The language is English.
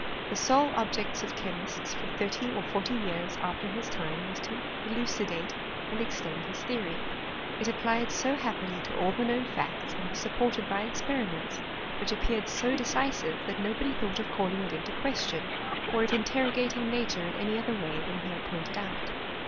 The sole objects of chemists for thirty or forty years after his time was to illucidate and extend his theory. It applied ao happily to all the known facts, and was supported by experiments, which appeared so decisive that no body thought of calling it in question, or of interro gating nature in any other way than he had pointed out.